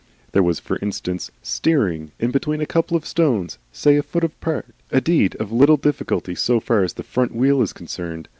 There was, for instance, steering in between a couple of stones, say a foot apart, a deed of little difficulty as far as the front wheel is concerned.